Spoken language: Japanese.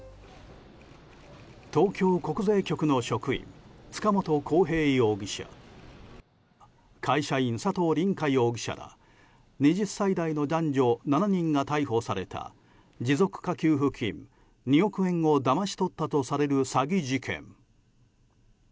東京国税局の職員塚本晃平容疑者会社員、佐藤凛果容疑者ら２０歳代の男女７人が逮捕された持続化給付金２億円をだまし取ったとされる詐欺事件。